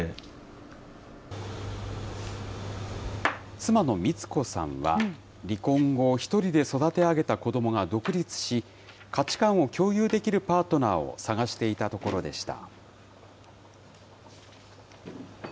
妻のミツコさんは、離婚後、１人で育て上げた子どもが独立し、価値観を共有できるパートナーを探していたところでした。